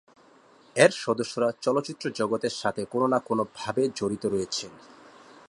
এর সদস্যরা চলচ্চিত্র জগতের সাথে কোনো না কোনো ভাবে জড়িত রয়েছেন।